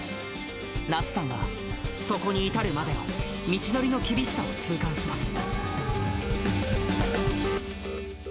なつさんは、そこに至るまでの道のりの厳しさを痛感します。